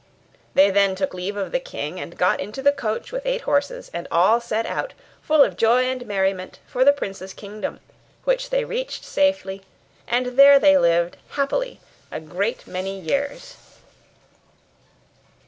They then took leave of the king, and got into the coach with eight horses, and all set out, full of joy and merriment, for the prince's kingdom, which they reached safely; and there they lived happily a great many years.